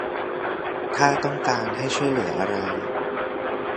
ถ้าต้องการให้ช่วยเหลืออะไร